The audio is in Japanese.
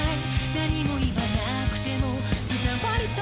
「何も言わなくても伝わりそうだから」